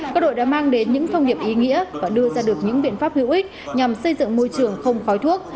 các đội đã mang đến những thông điệp ý nghĩa và đưa ra được những biện pháp hữu ích nhằm xây dựng môi trường không khói thuốc